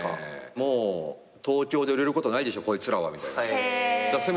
もう東京で売れることないでしょこいつらはみたいな。